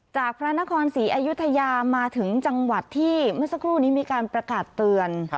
พระนครศรีอยุธยามาถึงจังหวัดที่เมื่อสักครู่นี้มีการประกาศเตือน